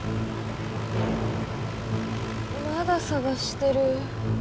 まださがしてる。